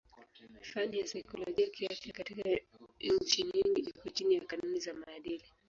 Fani ya saikolojia kiafya katika nchi nyingi iko chini ya kanuni za maadili.